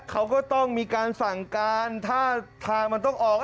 เขาก็ต้องมีการสั่งการท่าทางมันต้องออก